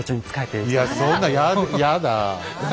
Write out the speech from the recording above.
いやそんなややだあ。